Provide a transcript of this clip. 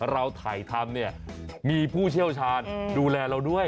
เราถ่ายทำเนี่ยมีผู้เชี่ยวชาญดูแลเราด้วย